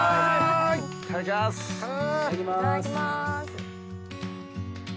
・いただきます。